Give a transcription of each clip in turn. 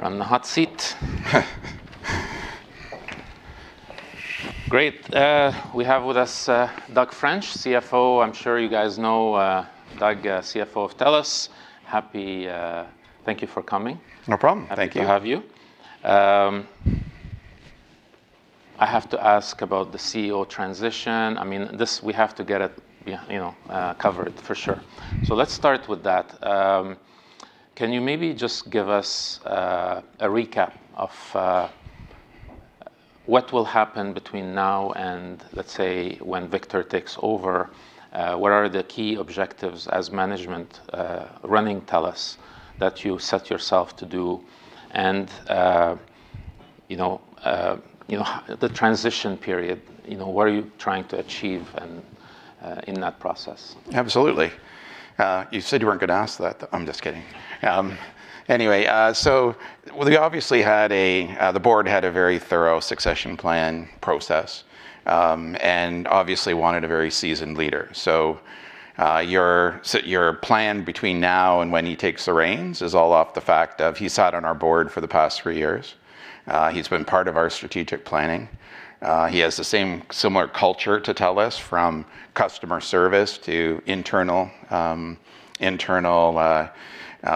You're on the hot seat. Great. We have with us, Doug French, CFO. I'm sure you guys know, Doug, CFO of TELUS. Happy, thank you for coming. No problem. Thank you. Happy to have you. I have to ask about the CEO transition. I mean, this, we have to get it, yeah, you know, covered for sure. Let's start with that. Can you maybe just give us a recap of what will happen between now and, let's say, when Victor takes over? What are the key objectives as management, running TELUS that you set yourself to do? You know, the transition period, you know, what are you trying to achieve and in that process? Absolutely. You said you weren't gonna ask that. I'm just kidding. Anyway, well, we obviously had a, the board had a very thorough succession plan process, and obviously wanted a very seasoned leader. Your plan between now and when he takes the reins is all off the fact of he sat on our board for the past three years, he's been part of our strategic planning, he has the same similar culture to TELUS from customer service to internal,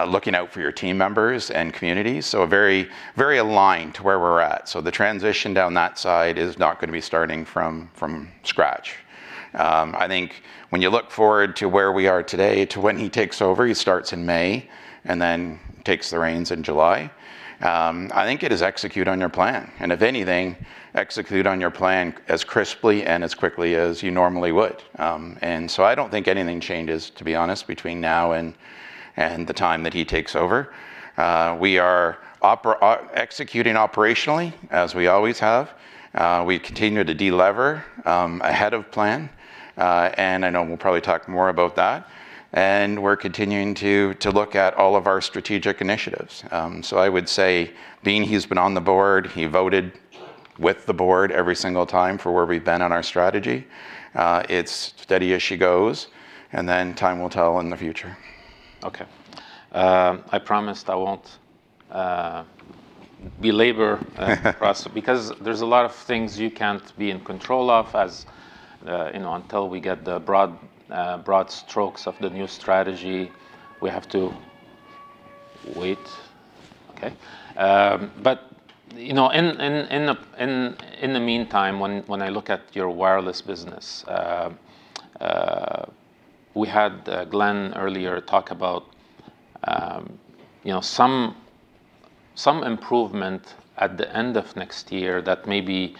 looking out for your team members and community. Very aligned to where we're at. The transition down that side is not gonna be starting from scratch. I think when you look forward to where we are today to when he takes over, he starts in May and then takes the reins in July, I think it is execute on your plan, and if anything, execute on your plan as crisply and as quickly as you normally would. I don't think anything changes, to be honest, between now and the time that he takes over. We are executing operationally, as we always have. We continue to delever ahead of plan, and I know we'll probably talk more about that. We're continuing to look at all of our strategic initiatives. I would say being he's been on the board, he voted with the board every single time for where we've been on our strategy. It's steady as she goes. Time will tell in the future. Okay. I promised I won't across because there's a lot of things you can't be in control of as, you know, until we get the broad strokes of the new strategy we have to wait. Okay. You know, in the meantime, when I look at your wireless business, we had Glenn earlier talk about, you know, some improvement at the end of next year that maybe,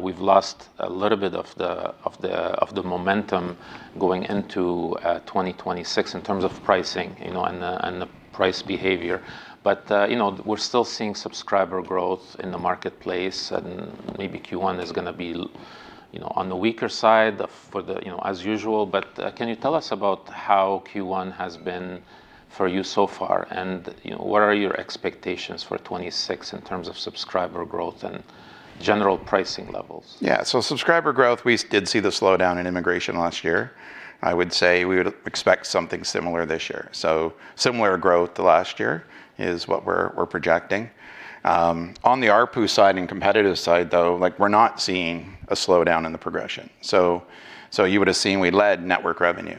we've lost a little bit of the momentum going into 2026 in terms of pricing, you know, and the price behavior. You know, we're still seeing subscriber growth in the marketplace and maybe Q1 is gonna be, you know, on the weaker side for the, as usual. Can you tell us about how Q1 has been for you so far and, you know, what are your expectations for 2026 in terms of subscriber growth and general pricing levels? Subscriber growth, we did see the slowdown in immigration last year. I would say we would expect something similar this year. Similar growth to last year is what we're projecting. On the ARPU side and competitive side though, like we're not seeing a slowdown in the progression. You would have seen we led network revenue.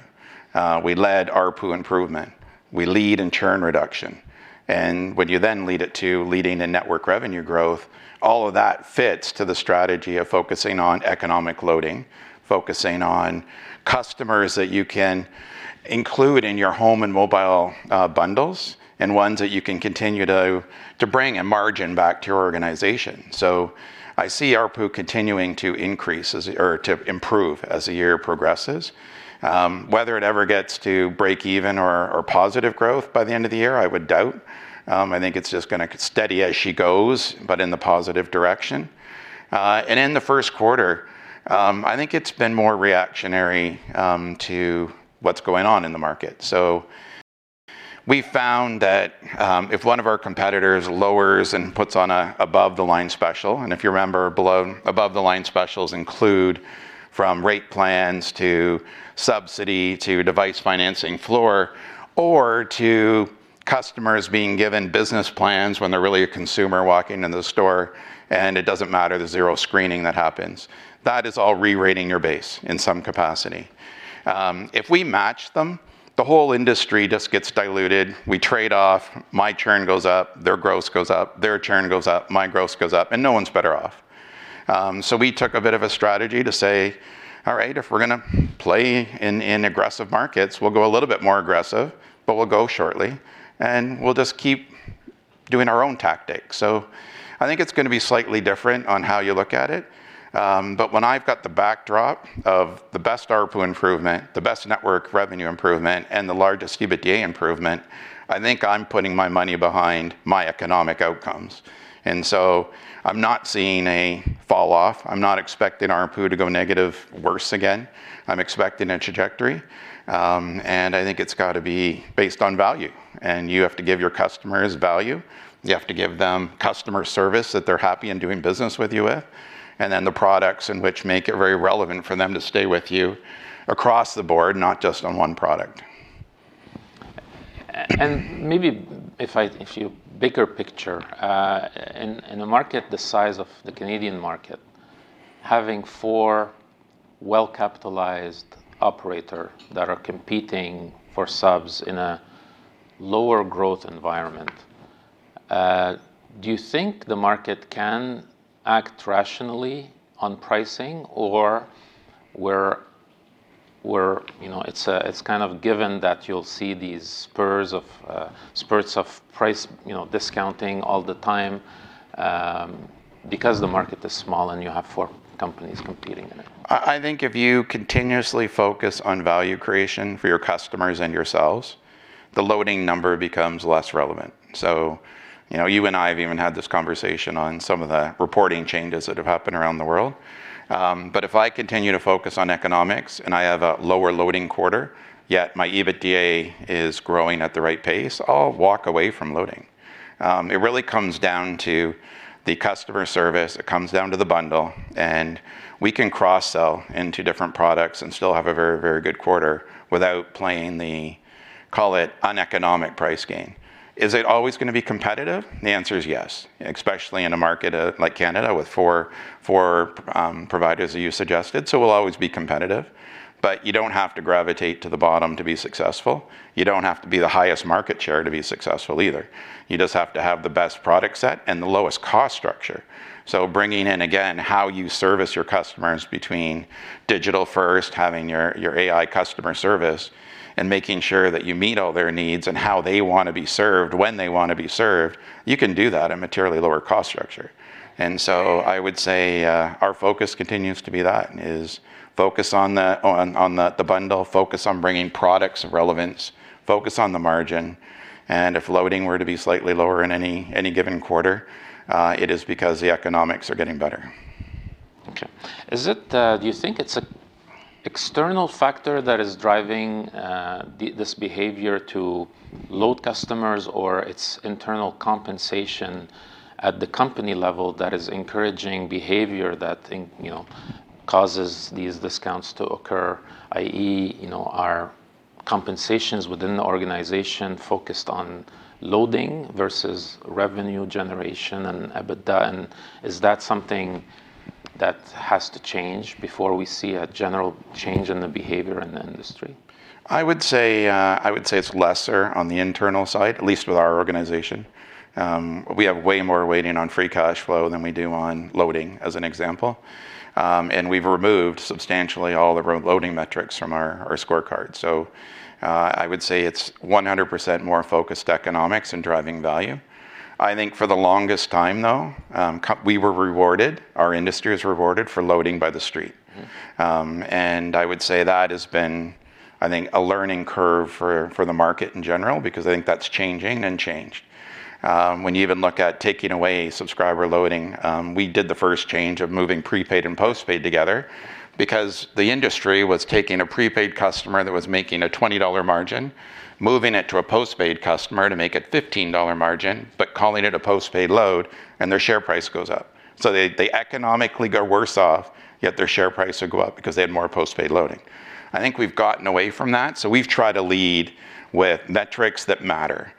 We led ARPU improvement. We lead in churn reduction. Would you then lead it to leading the network revenue growth, all of that fits to the strategy of focusing on economic loading, focusing on customers that you can include in your home and mobile bundles, and ones that you can continue to bring and margin back to your organization. I see ARPU continuing to increase as or to improve as the year progresses. Whether it ever gets to break even or positive growth by the end of the year, I would doubt. I think it's just gonna steady as she goes, in the positive direction. In the first quarter, I think it's been more reactionary to what's going on in the market. We found that if one of our competitors lowers and puts on a above-the-line special, and if you remember above-the-line specials include from rate plans to subsidy, to device financing floor, or to customers being given business plans when they're really a consumer walking into the store and it doesn't matter, the zero screening that happens. That is all rerating your base in some capacity. If we match them, the whole industry just gets diluted. We trade off. My churn goes up, their growth goes up. Their churn goes up, my growth goes up. No one's better off. We took a bit of a strategy to say, all right, if we're gonna play in aggressive markets, we'll go a little bit more aggressive, but we'll go shortly, and we'll just keep doing our own tactics. I think it's gonna be slightly different on how you look at it. When I've got the backdrop of the best ARPU improvement, the best network revenue improvement, and the largest EBITDA improvement, I think I'm putting my money behind my economic outcomes. I'm not seeing a fall off. I'm not expecting ARPU to go negative worse again. I'm expecting a trajectory. I think it's got to be based on value. You have to give your customers value. You have to give them customer service that they're happy and doing business with you with, and then the products in which make it very relevant for them to stay with you across the board, not just on one product. Maybe if you bigger picture, in a market the size of the Canadian market having four well-capitalized operator that are competing for subs in a lower growth environment, do you think the market can act rationally on pricing? Or where, you know, it's kind of given that you'll see these spurs of spurts of price, you know, discounting all the time, because the market is small and you have four companies competing in it? I think if you continuously focus on value creation for your customers and yourselves, the loading number becomes less relevant. you know, you and I have even had this conversation on some of the reporting changes that have happened around the world. If I continue to focus on economics and I have a lower loading quarter, yet my EBITDA is growing at the right pace, I'll walk away from loading. It really comes down to the customer service, it comes down to the bundle, and we can cross-sell into different products and still have a very, very good quarter without playing the call it uneconomic price game. Is it always gonna be competitive? The answer is yes, especially in a market, like Canada with four providers that you suggested. We'll always be competitive, but you don't have to gravitate to the bottom to be successful, you don't have to be the highest market share to be successful either. You just have to have the best product set and the lowest cost structure. Bringing in, again, how you service your customers between digital first, having your AI customer service and making sure that you meet all their needs and how they wanna be served, when they wanna be served, you can do that at materially lower cost structure. I would say, our focus continues to be that, is focus on the bundle, focus on bringing products of relevance, focus on the margin, and if loading were to be slightly lower in any given quarter, it is because the economics are getting better. Okay. Is it, do you think it's an external factor that is driving this behavior to load customers, or it's internal compensation at the company level that is encouraging behavior that then, you know, causes these discounts to occur, i.e., you know, are compensations within the organization focused on loading versus revenue generation and EBITDA? Is that something that has to change before we see a general change in the behavior in the industry? I would say it's lesser on the internal side, at least with our organization. We have way more weighting on Free Cash Flow than we do on loading, as an example. We've removed substantially all of our loading metrics from our scorecard. I would say it's 100% more focused economics and driving value. I think for the longest time though, we were rewarded, our industry was rewarded for loading by the street. Mm-hmm. And I would say that has been, I think, a learning curve for the market in general because I think that's changing and changed. When you even look at taking away subscriber loading, we did the first change of moving prepaid and postpaid together because the industry was taking a prepaid customer that was making a 20 dollar margin, moving it to a postpaid customer to make a 15 dollar margin, but calling it a postpaid load, and their share price goes up. They economically are worse off, yet their share price will go up because they had more postpaid loading. I think we've gotten away from that, we've tried to lead with metrics that matter,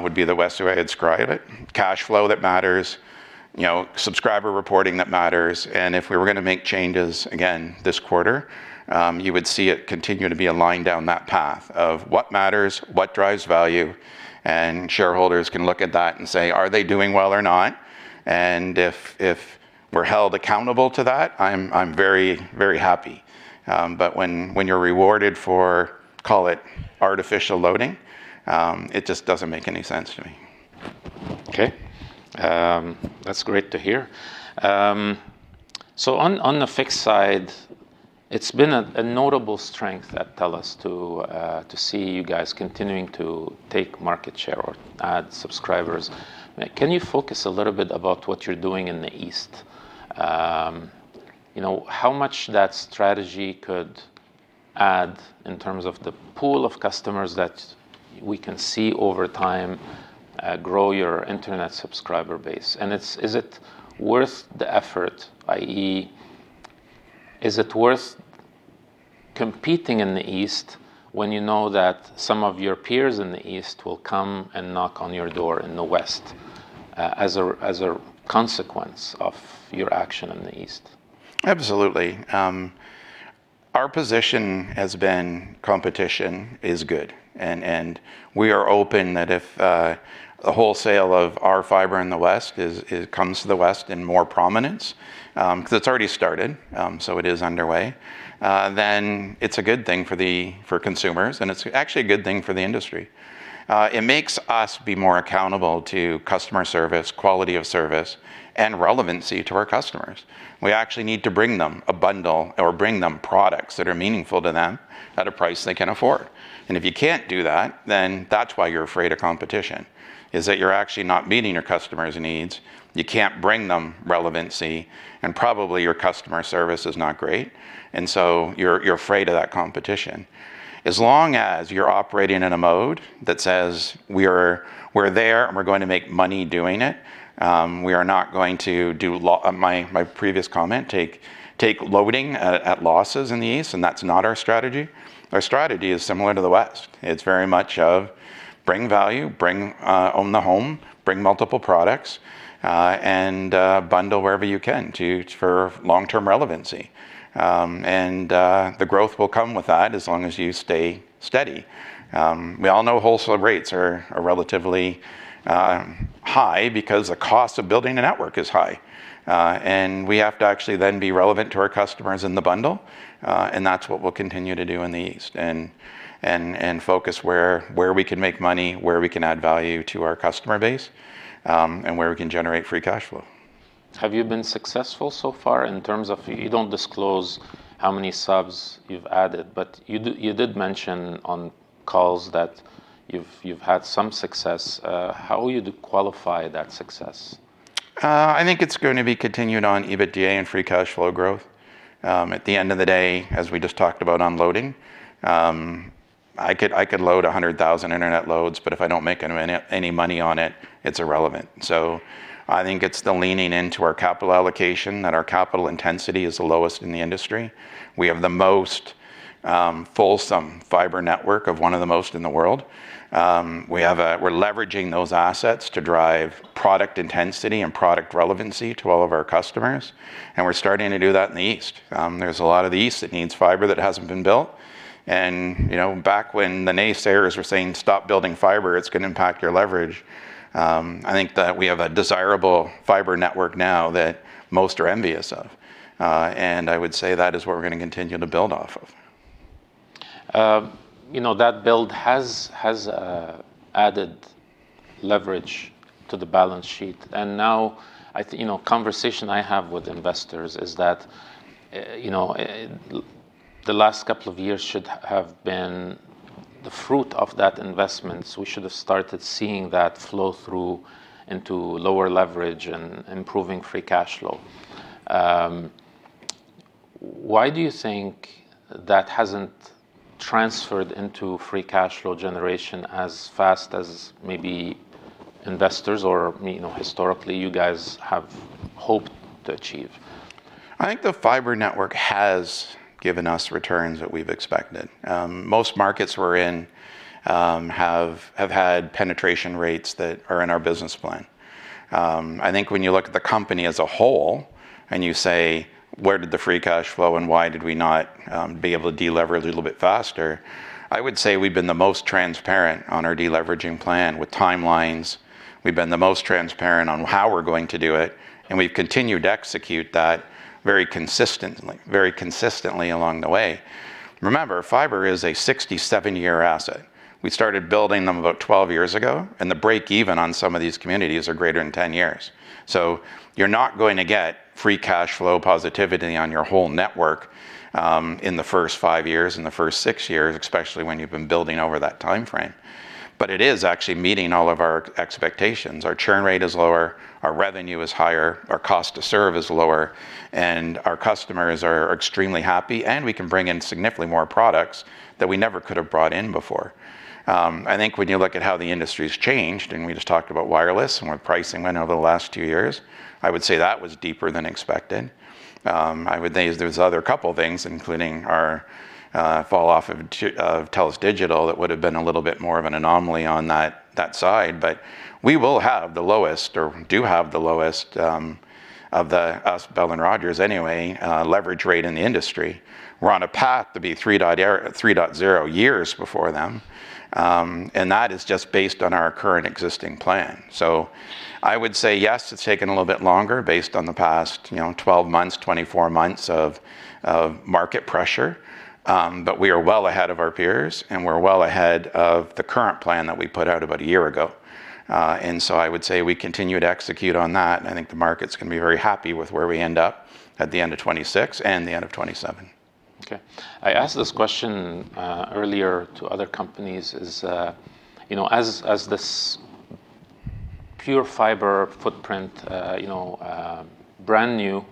would be the best way I'd describe it. Cash flow that matters, you know, subscriber reporting that matters. If we were gonna make changes again this quarter, you would see it continue to be aligned down that path of what matters, what drives value. Shareholders can look at that and say, "Are they doing well or not?" If we're held accountable to that, I'm very, very happy. When you're rewarded for, call it artificial loading, it just doesn't make any sense to me. Okay. That's great to hear. On, on the fixed side, it's been a notable strength at TELUS to see you guys continuing to take market share or add subscribers. Can you focus a little bit about what you're doing in the east? You know, how much that strategy could add in terms of the pool of customers that we can see over time, grow your internet subscriber base? Is it worth the effort, i.e., is it worth competing in the east when you know that some of your peers in the east will come and knock on your door in the west as a consequence of your action in the east? Absolutely. Our position has been competition is good and we are open that if the wholesale of our fiber in the west comes to the west in more prominence, 'cause it's already started, so it is underway, then it's a good thing for consumers, and it's actually a good thing for the industry. It makes us be more accountable to customer service, quality of service, and relevancy to our customers. We actually need to bring them a bundle or bring them products that are meaningful to them at a price they can afford. If you can't do that, then that's why you're afraid of competition, is that you're actually not meeting your customers' needs, you can't bring them relevancy, and probably your customer service is not great, so you're afraid of that competition. As long as you're operating in a mode that says, "We're there and we're going to make money doing it, we are not going to do my previous comment, take loading at losses in the east," and that's not our strategy. Our strategy is similar to the west. It's very much of bring value, bring, own the home, bring multiple products, and bundle wherever you can for long-term relevancy. The growth will come with that as long as you stay steady. We all know wholesale rates are relatively high because the cost of building a network is high. We have to actually then be relevant to our customers in the bundle, and that's what we'll continue to do in the east and focus where we can make money, where we can add value to our customer base, and where we can generate Free Cash Flow. Have you been successful so far in terms of... You don't disclose how many subs you've added, but you did mention on calls that you've had some success. How would you qualify that success? I think it's going to be continued on EBITDA and Free Cash Flow growth. At the end of the day, as we just talked about on loading, I could load 100,000 internet loads, but if I don't make any money on it's irrelevant. I think it's the leaning into our capital allocation, that our capital intensity is the lowest in the industry. We have the most fulsome fiber network of one of the most in the world. We're leveraging those assets to drive product intensity and product relevancy to all of our customers, and we're starting to do that in the East. There's a lot of the East that needs fiber that hasn't been built, and, you know, back when the naysayers were saying, "Stop building fiber, it's gonna impact your leverage," I think that we have a desirable fiber network now that most are envious of. I would say that is what we're gonna continue to build off of. You know, that build has added leverage to the balance sheet. You know, conversation I have with investors is that, you know, the last couple of years should have been the fruit of that investment. We should have started seeing that flow through into lower leverage and improving Free Cash Flow. Why do you think that hasn't transferred into Free Cash Flow generation as fast as maybe investors or, you know, historically you guys have hoped to achieve? I think the fiber network has given us returns that we've expected. Most markets we're in have had penetration rates that are in our business plan. I think when you look at the company as a whole and you say, "Where did the Free Cash Flow and why did we not be able to deleverage a little bit faster?" I would say we've been the most transparent on our deleveraging plan with timelines. We've been the most transparent on how we're going to do it, and we've continued to execute that very consistently along the way. Remember, fiber is a 67-year asset. We started building them about 12 years ago, and the break even on some of these communities are greater than 10 years. You're not going to get Free Cash Flow positivity on your whole network, in the first five years, in the first six years, especially when you've been building over that timeframe. It is actually meeting all of our expectations. Our churn rate is lower, our revenue is higher, our cost to serve is lower, and our customers are extremely happy, and we can bring in significantly more products that we never could have brought in before. I think when you look at how the industry's changed, and we just talked about wireless and where pricing went over the last two years, I would say that was deeper than expected. I would say there's other couple things, including our fall off of TELUS Digital that would have been a little bit more of an anomaly on that side. We will have the lowest, or do have the lowest, of the, us, Bell and Rogers anyway, leverage rate in the industry. We're on a path to be 3.0 years before them, and that is just based on our current existing plan. I would say yes, it's taken a little bit longer based on the past, you know, 12 months, 24 months of market pressure, but we are well ahead of our peers and we're well ahead of the current plan that we put out about a year ago. I would say we continue to execute on that, and I think the market's gonna be very happy with where we end up at the end of 2026 and the end of 2027. Okay. I asked this question earlier to other companies is, you know, as this pure fiber footprint, you know, brand new,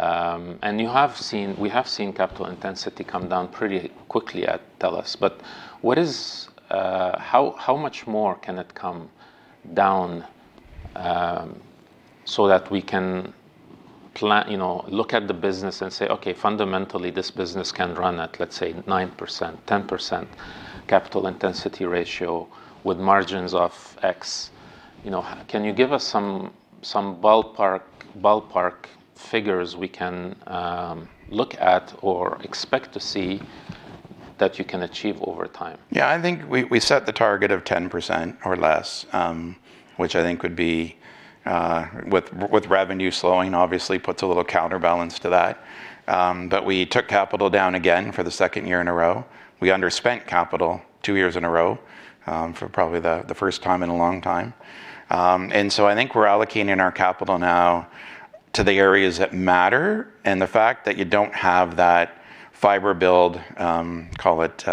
and we have seen capital intensity come down pretty quickly at TELUS. What is how much more can it come down so that we can plan, you know, look at the business and say, "Okay, fundamentally this business can run at, let's say, 9%-10% capital intensity ratio with margins of X." You know, can you give us some ballpark figures we can look at or expect to see that you can achieve over time? Yeah. I think we set the target of 10% or less, which I think would be with revenue slowing obviously puts a little counterbalance to that. We took capital down again for the second year in a row. We underspent capital two years in a row, for probably the first time in a long time. I think we're allocating our capital now to the areas that matter, and the fact that you don't have that fiber build, call it,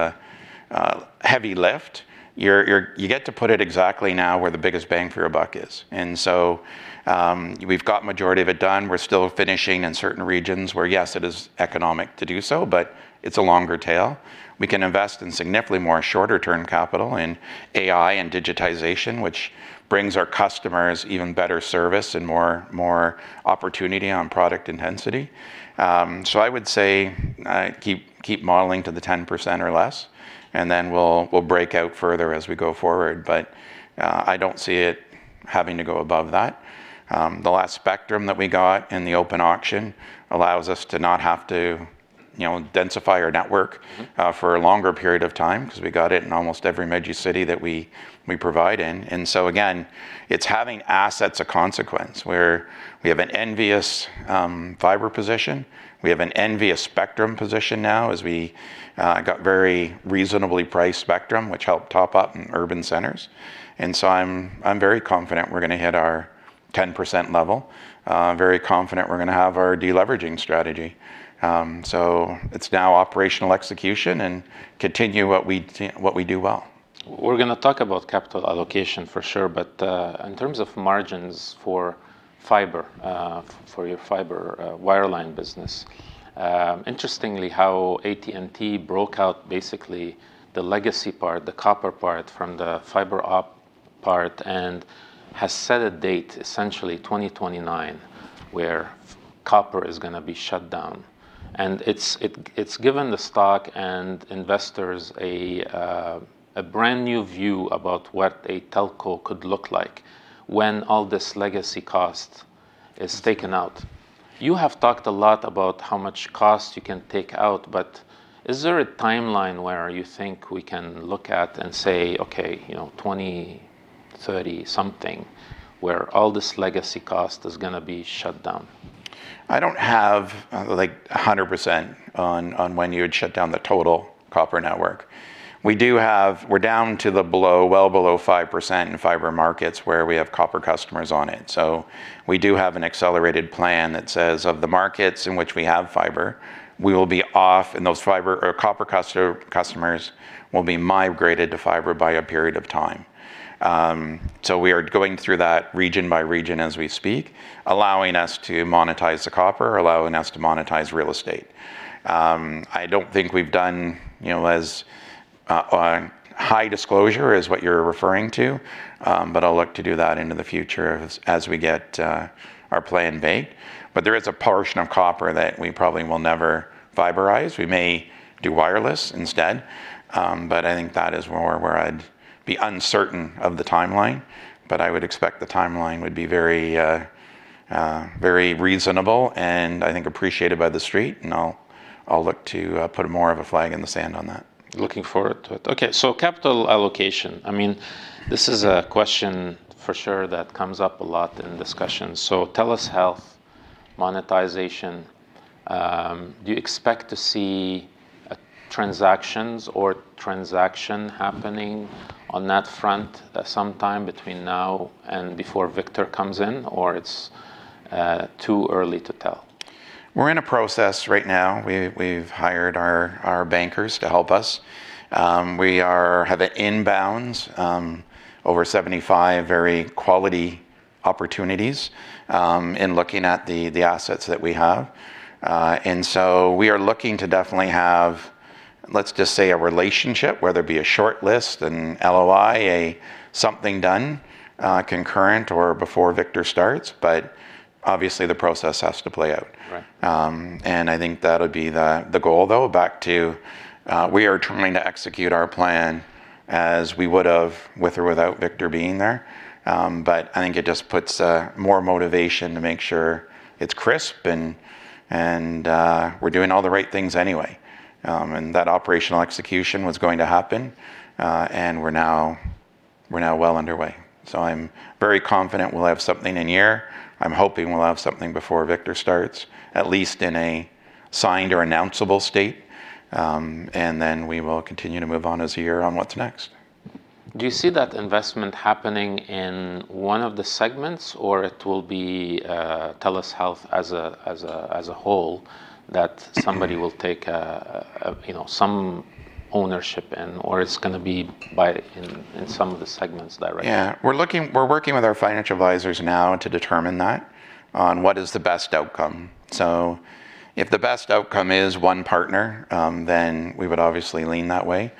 heavy lift, you get to put it exactly now where the biggest bang for your buck is. We've got majority of it done. We're still finishing in certain regions where, yes, it is economic to do so, but it's a longer tail. We can invest in significantly more shorter term capital in AI and digitization, which brings our customers even better service and more, more opportunity on product intensity. I would say, keep modeling to the 10% or less, and then we'll break out further as we go forward. I don't see it having to go above that. The last spectrum that we got in the open auction allows us to not have to, you know, densify our network. Mm-hmm... for a longer period of time, because we got it in almost every major city that we provide in. Again, it's having assets of consequence, where we have an envious fiber position, we have an envious spectrum position now as we got very reasonably priced spectrum, which helped top up in urban centers. I'm very confident we're gonna hit our 10% level. I'm very confident we're gonna have our de-leveraging strategy. It's now operational execution and continue what we do well. We're gonna talk about capital allocation for sure, in terms of margins for fiber, for your fiber wireline business, interestingly how AT&T broke out basically the legacy part, the copper part from the fiber op part and has set a date, essentially 2029, where copper is gonna be shut down, and it's given the stock and investors a brand-new view about what a telco could look like when all this legacy cost is taken out. You have talked a lot about how much cost you can take out, but is there a timeline where you think we can look at and say, okay, you know, 2030 something where all this legacy cost is gonna be shut down? I don't have like 100% on when you would shut down the total copper network. We're down to well below 5% in fiber markets where we have copper customers on it. We do have an accelerated plan that says of the markets in which we have fiber, we will be off and those copper customers will be migrated to fiber by a period of time. We are going through that region by region as we speak, allowing us to monetize the copper, allowing us to monetize real estate. I don't think we've done, you know, as a high disclosure is what you're referring to, but I'll look to do that into the future as we get our plan made. There is a portion of copper that we probably will never fiberize. We may do wireless instead, but I think that is more where I'd be uncertain of the timeline. I would expect the timeline would be very, very reasonable and I think appreciated by the street and I'll look to put more of a flag in the sand on that. Looking forward to it. Okay. Capital allocation. I mean, this is a question for sure that comes up a lot in discussions. TELUS Health monetization, do you expect to see transactions or transaction happening on that front sometime between now and before Victor comes in, or it's too early to tell? We're in a process right now. We've hired our bankers to help us. We are have an inbounds, over 75 very quality opportunities, in looking at the assets that we have. We are looking to definitely have, let's just say a relationship, whether it be a short list, an LOI, a something done, concurrent or before Victor starts, but obviously the process has to play out. Right. I think that'll be the goal, though, back to we are trying to execute our plan as we would have with or without Victor being there. I think it just puts more motivation to make sure it's crisp, and we're doing all the right things anyway. That operational execution was going to happen, and we're now well underway. I'm very confident we'll have something in a year. I'm hoping we'll have something before Victor starts, at least in a signed or announceable state. Then we will continue to move on as a year on what's next. Do you see that investment happening in one of the segments, or it will be, TELUS Health as a whole that somebody will take, you know, some ownership in, or it's gonna be by in some of the segments directly? Yeah. We're working with our financial advisors now to determine that on what is the best outcome. If the best outcome is one partner, then we would obviously lean that way.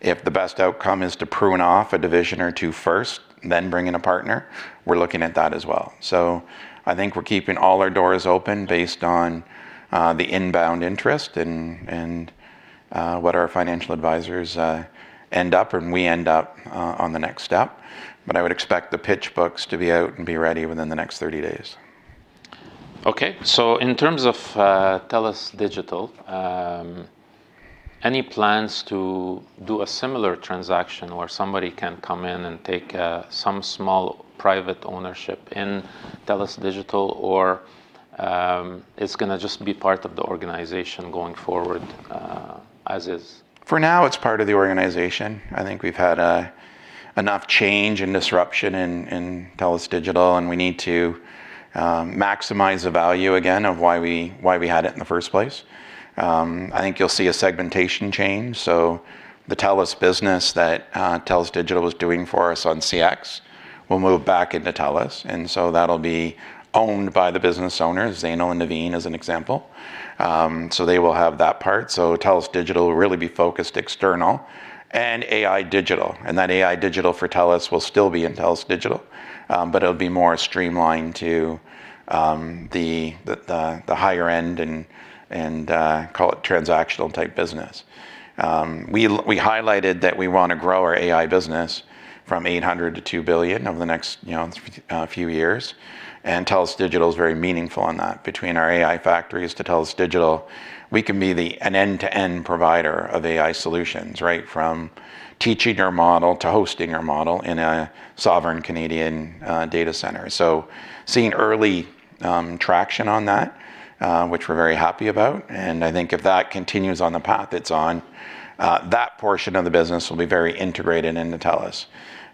If the best outcome is to prune off a division or two first, then bring in a partner, we're looking at that as well. I think we're keeping all our doors open based on the inbound interest and what our financial advisors end up and we end up on the next step. I would expect the pitch books to be out and be ready within the next 30 days. In terms of TELUS Digital, any plans to do a similar transaction where somebody can come in and take some small private ownership in TELUS Digital, or, it's gonna just be part of the organization going forward, as is? For now, it's part of the organization. I think we've had enough change and disruption in TELUS Digital. We need to maximize the value again of why we had it in the first place. I think you'll see a segmentation change. The TELUS business that TELUS Digital was doing for us on CX will move back into TELUS. That'll be owned by the business owners, Zainul and Navin, as an example. They will have that part. TELUS Digital will really be focused external. AI digital, and that AI digital for TELUS will still be in TELUS Digital, but it'll be more streamlined to the higher end and call it transactional type business. we highlighted that we wanna grow our AI business from 800-2 billion over the next, you know, few years, and TELUS Digital is very meaningful on that. Between our AI factories to TELUS Digital, we can be the an end-to-end provider of AI solutions, right? From teaching our model to hosting our model in a sovereign Canadian data center. Seeing early traction on that, which we're very happy about. I think if that continues on the path it's on, that portion of the business will be very integrated into TELUS.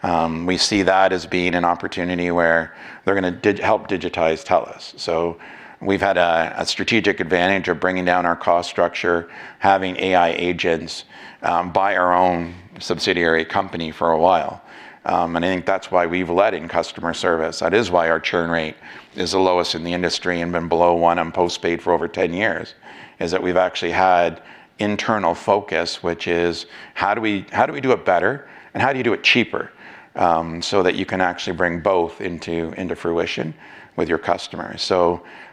We see that as being an opportunity where they're gonna help digitize TELUS. We've had a strategic advantage of bringing down our cost structure, having AI agents, by our own subsidiary company for a while. I think that's why we've led in customer service. That is why our churn rate is the lowest in the industry and been below one on post-paid for over 10 years. We've actually had internal focus, which is how do we do it better and how do you do it cheaper, so that you can actually bring both into fruition with your customers.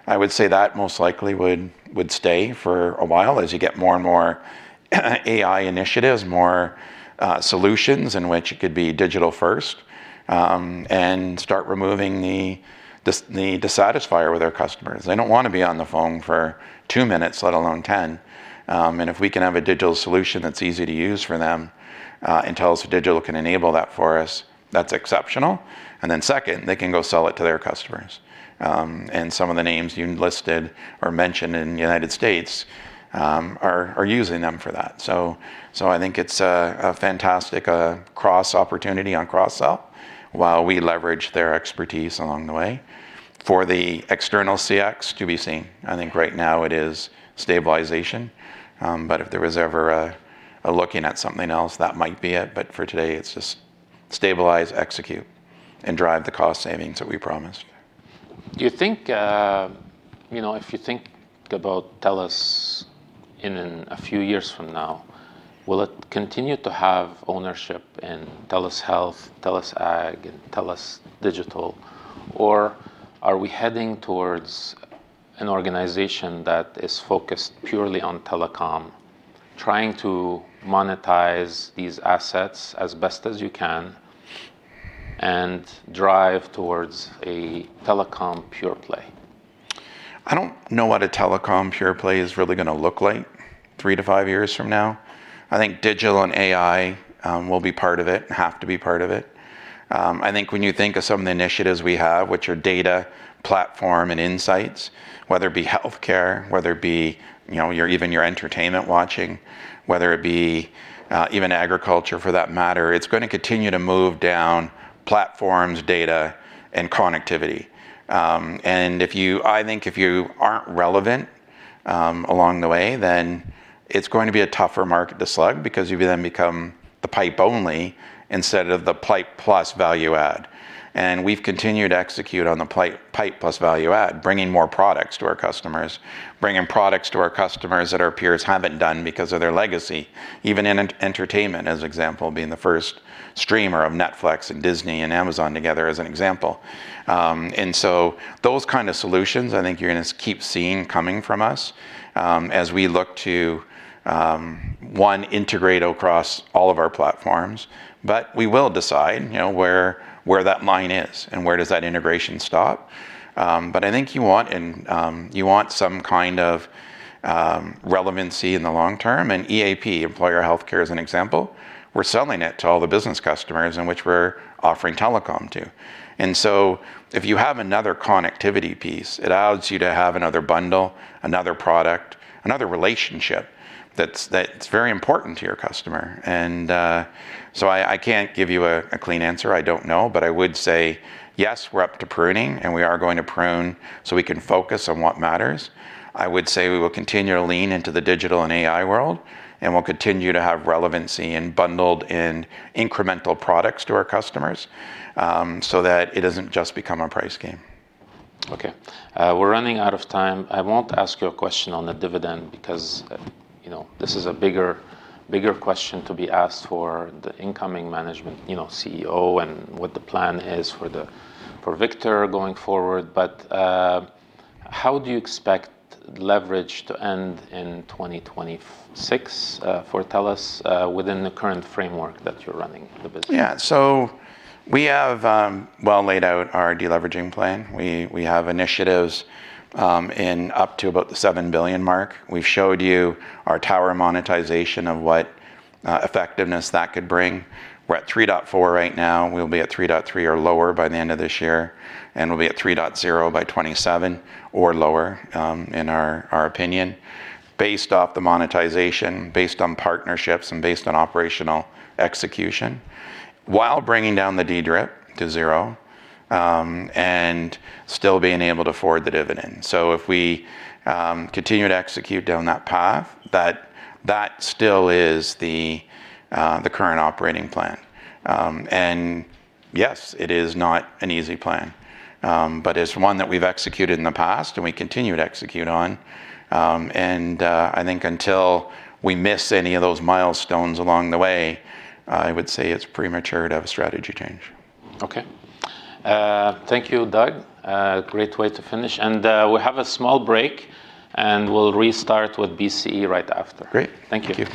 I would say that most likely would stay for a while as you get more and more AI initiatives, more solutions in which it could be digital first, and start removing the dissatisfier with our customers. They don't wanna be on the phone for two minutes, let alone 10. If we can have a digital solution that's easy to use for them, and TELUS Digital can enable that for us, that's exceptional. Then second, they can go sell it to their customers. Some of the names you listed or mentioned in the United States are using them for that. I think it's a fantastic cross opportunity on cross sell while we leverage their expertise along the way. For the external CX, to be seen. I think right now it is stabilization, but if there was ever a looking at something else, that might be it, but for today it's just stabilize, execute and drive the cost savings that we promised. Do you think, you know, if you think about TELUS in a few years from now, will it continue to have ownership in TELUS Health, TELUS Ag, and TELUS Digital? Or are we heading towards an organization that is focused purely on telecom, trying to monetize these assets as best as you can and drive towards a telecom pure play? I don't know what a telecom pure play is really gonna look like three to five years from now. I think digital and AI will be part of it and have to be part of it. I think when you think of some of the initiatives we have, which are data platform and insights, whether it be healthcare, whether it be, you know, your even your entertainment watching, whether it be, even agriculture for that matter, it's gonna continue to move down platforms, data, and connectivity. I think if you aren't relevant along the way, then it's gonna be a tougher market to slug because you then become the pipe only instead of the pipe plus value add. We've continued to execute on the pipe plus value add, bringing more products to our customers, bringing products to our customers that our peers haven't done because of their legacy. Even in entertainment as example, being the first streamer of Netflix and Disney and Amazon together as an example. Those kind of solutions, I think you're gonna keep seeing coming from us, as we look to, one, integrate across all of our platforms. We will decide, you know, where that line is and where does that integration stop. I think you want an, you want some kind of, relevancy in the long term, and EAP, employer healthcare as an example. We're selling it to all the business customers in which we're offering telecom to. If you have another connectivity piece, it allows you to have another bundle, another product, another relationship that's very important to your customer. I can't give you a clean answer. I don't know. I would say yes, we're up to pruning and we are going to prune so we can focus on what matters. I would say we will continue to lean into the digital and AI world, and we'll continue to have relevancy and bundled in incremental products to our customers so that it doesn't just become a price game. Okay. We're running out of time. I won't ask you a question on the dividend because, you know, this is a bigger question to be asked for the incoming management, you know, CEO and what the plan is for Victor going forward. How do you expect leverage to end in 2026 for TELUS within the current framework that you're running the business? Yeah. We have well laid out our de-leveraging plan. We have initiatives in up to about the 7 billion mark. We've showed you our tower monetization of what effectiveness that could bring. We're at 3.4 right now. We'll be at 3.3 or lower by the end of this year, and we'll be at 3.0 by 2027 or lower in our opinion, based off the monetization, based on partnerships, and based on operational execution, while bringing down the DDRIP to zero and still being able to afford the dividend. If we continue to execute down that path, that still is the current operating plan. Yes, it is not an easy plan, but it's one that we've executed in the past and we continue to execute on. I think until we miss any of those milestones along the way, I would say it's premature to have a strategy change. Okay. Thank you, Doug. Great way to finish. We'll have a small break, and we'll restart with BCE right after. Great. Thank you.